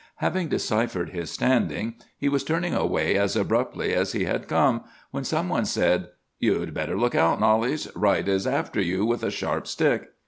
Having deciphered his standing, he was turning away as abruptly as he had come, when some one said,— "'You'd better look out, Knollys! Wright is after you with a sharp stick!